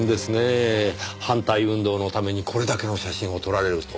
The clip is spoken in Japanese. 反対運動のためにこれだけの写真を撮られるとは。